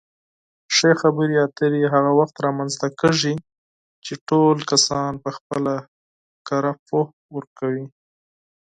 ښې خبرې اترې هغه وخت رامنځته کېږي چې ټول کسان پخپله کره پوهه ورکوي.